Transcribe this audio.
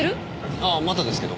ああまだですけど。